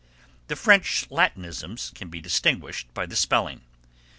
The French Latinisms can be distinguished by the spelling.